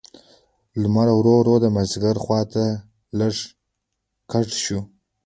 لمر ورو ورو د مازیګر خوا ته کږ شو.